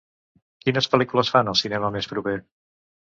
Quines pel·lícules fan al cinema més proper